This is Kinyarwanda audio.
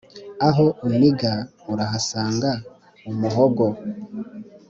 Aho uniga urahasanga umuhogo.